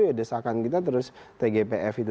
ya desakan kita terus tgpf itu